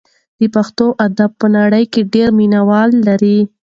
د پښتو ادب په نړۍ کې ډېر مینه وال لري.